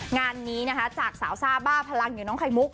งานนี้จากสาวซ่าบ้าเพลิงรึบนะ